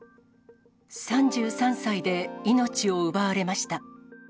３３歳で命を奪われました。